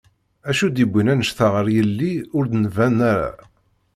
Acu d-yiwin anect-a ɣer yelli ur d-nban ara?